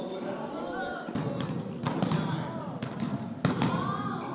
สุดท้ายสุดท้ายสุดท้าย